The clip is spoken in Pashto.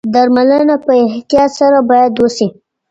درملنه په احتیاط سره باید وشي.